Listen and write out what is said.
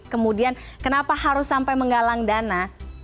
kemudian kenapa harus sampai menggalang dana